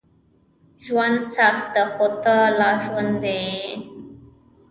ژوند سخت ده، خو ته لا ژوندی یې.